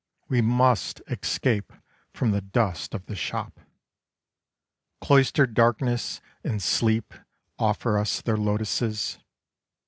We must escape from the dust of the shop. Cloistered darkness and sleep offer us their lotuses.